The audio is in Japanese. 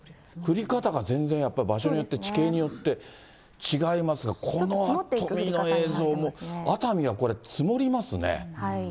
降り方が全然やっぱり場所によって、地形によって違いますが、この熱海の映像も、熱海はこれ、積もりますね。